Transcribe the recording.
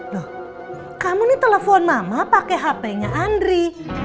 loh kamu nih telepon mama pake hpnya andri